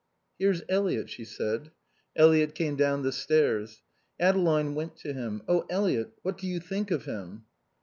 "Here's Eliot," she said. Eliot came down the stairs. Adeline went to him. "Oh Eliot, what do you think of him?"